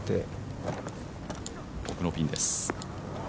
奥のピンです。